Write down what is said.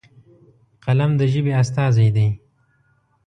قلم د ژبې استازی دی.